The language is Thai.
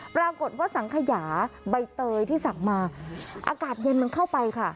ปรากฏว่าสังขยาใบเตยที่สั่งมาอากาศเย็นมันเข้าไปค่ะ